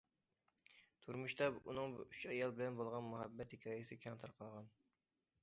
تۇرمۇشتا، ئۇنىڭ ئۈچ ئايال بىلەن بولغان مۇھەببەت ھېكايىسى كەڭ تارقالغان.